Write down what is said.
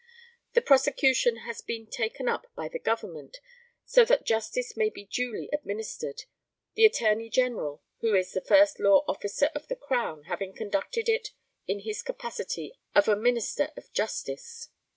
The prosecution has been taken up by the Government, so that justice may be duly administered, the Attorney General, who is the first law officer of the Crown, having conducted it in his capacity of a minister of justice.